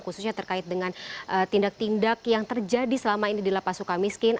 khususnya terkait dengan tindak tindak yang terjadi selama ini di lapas suka miskin